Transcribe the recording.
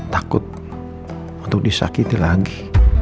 takut untuk disakiti lagi